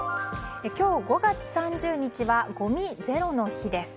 今日５月３０日はごみゼロの日です。